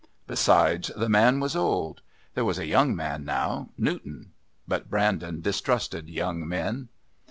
Besides, the man was old. There was a young man now, Newton. But Brandon distrusted young men.